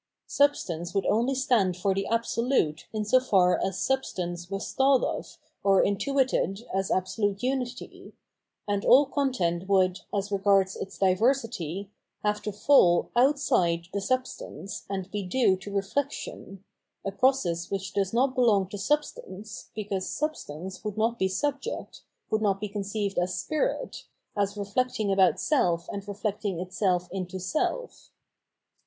Substance would only stand for the Absolute in so far as Substance was thought of or " intuited " as absolute unity ; and all content would, as regards its diversity, have to fall outside the Sub stance and be due to reflection, a process which does not belong to Substance, because Substance would not be Subject, would not be conceived as Spirit, as re flecting about self and reflecting itself into self.